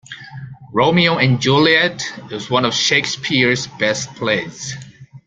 Romeo and Juliet is one of Shakespeare’s best plays